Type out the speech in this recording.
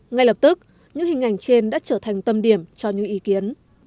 ngay lập tức những hình ảnh trên đã trở thành tâm điểm cho những ý kiến